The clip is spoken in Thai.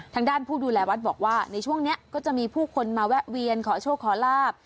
ทางด้านผู้ดูแลวัดบอกว่าในช่วงนี้ก็จะมีผู้คนมาแวะเวียนขอโชคขอลาบ